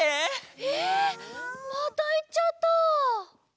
えまたいっちゃった。